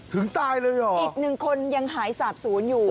ถึงตายเลยเหรออีกหนึ่งคนยังหายสาบศูนย์อยู่